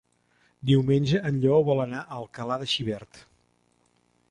Diumenge en Lleó vol anar a Alcalà de Xivert.